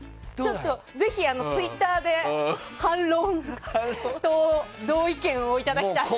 ぜひ、ツイッターで反論と同意見をいただきたい。